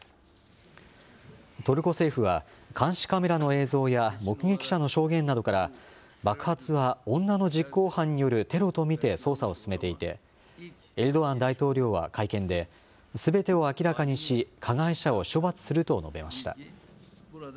トルコ政府は、監視カメラの映像や目撃者の証言などから、爆発は女の実行犯によるテロと見て捜査を進めていて、エルドアン大統領は会見で、すべてを明らかにし、加害者を処罰すると述べました。